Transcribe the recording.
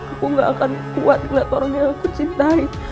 aku gak akan kuat lihat orang yang aku cintai